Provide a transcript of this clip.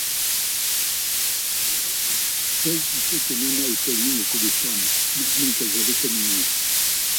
Boche disait que Nana et Pauline étaient des femmes, maintenant qu'elles avaient communié.